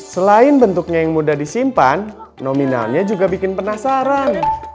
selain bentuknya yang mudah disimpan nominalnya juga bikin penasaran